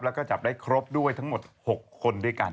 แล้วก็จับได้ครบด้วยทั้งหมด๖คนด้วยกัน